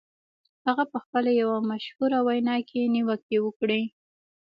هغه په خپله یوه مشهوره وینا کې نیوکې وکړې